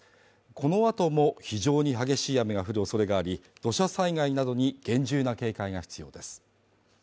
このあとも非常に激しい雨が降る恐れがあり、土砂災害などに厳重な警戒が必要です。